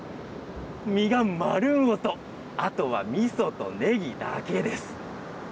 身がまるごと、あとはみそとネギだけです。